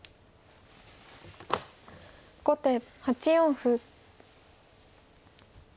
後手８四歩。